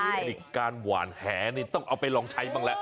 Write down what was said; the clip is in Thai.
อีกอันหวานแหนะต้องเอาไปลองใช้บ้างละ